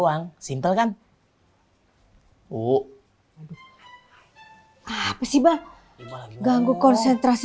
yang biasa ibu kasih